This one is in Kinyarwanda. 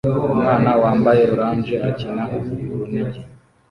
Umwana wambaye orange akina urunigi